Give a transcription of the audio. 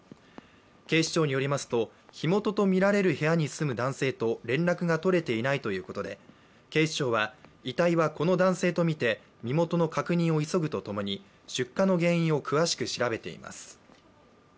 警視庁によりますと火元とみられる部屋に住む男性と連絡がとれていないということで警視庁は遺体はこの男性とみて身元の確認を急ぐとともに出火の原因を詳しく調べています。